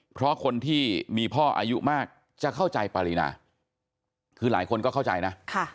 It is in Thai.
เพราะคนที่มีพ่ออายุมากจะเข้าใจปรินาคือหลายคนก็เข้าใจนะ